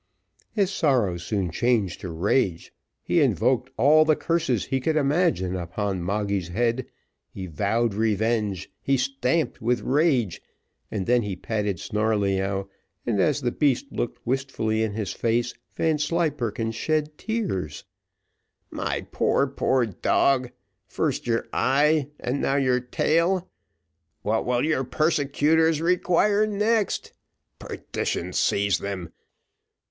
His sorrow soon changed to rage he invoked all the curses he could imagine upon Moggy's head he vowed revenge he stamped with rage and then he patted Snarleyyow; and as the beast looked wistfully in his face, Vanslyperken shed tears. "My poor, poor dog! first your eye and now your tail what will your persecutors require next? Perdition seize them!